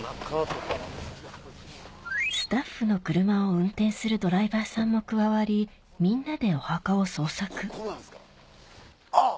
スタッフの車を運転するドライバーさんも加わりみんなであっ。